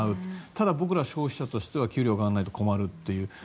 ただ、僕ら消費者としては給料が上がらないと困るという。